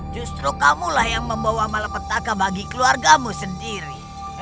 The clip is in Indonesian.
justru kamulah yang membawa malapetaka bagi keluargamu sendiri